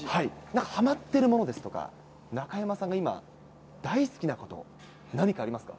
はまってるものですとか、中山さんが今、大好きなこと、何かありますか。